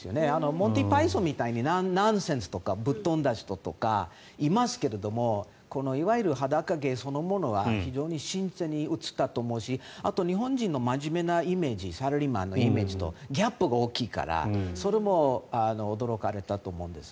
モンティー・パイソンみたいにナンセンスとかぶっ飛んだ人とかいますけどいわゆる裸芸そのものは非常に新鮮に映ったと思うしあと、日本人の真面目なイメージサラリーマンのイメージとギャップが大きいからそれも驚かれたと思うんです。